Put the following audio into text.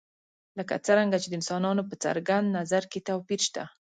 لکه څرنګه چې د انسانانو په څرګند نظر کې توپیر شته.